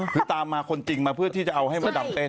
คือตามมาคนจริงมาเพื่อที่จะเอาให้มดดำเต้น